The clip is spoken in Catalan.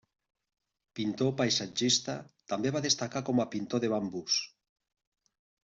Pintor paisatgista, també va destacar com a pintor de bambús.